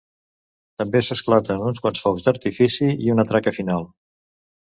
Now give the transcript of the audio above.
També s'esclaten uns quants focs d'artifici i una traca final.